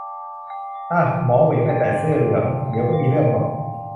อ่ะ หมอเหวงไปแตะเสื้อเหลือง เดี๋ยวก็มีเรื่องหรอก